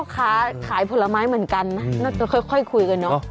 ขายปลาไม้เหมือนกันนะนอนคลุยค่อยคุยด้ายน้อง